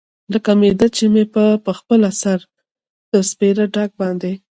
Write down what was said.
لکه معده چې مې پخپله پر سپېره ډاګ باندې.